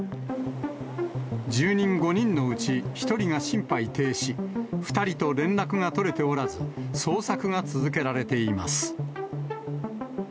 住人５人のうち１人が心肺停止、２人と連絡が取れておらず、捜索が続けられています。